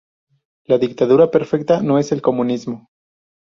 La dictadura perfecta no es el comunismo.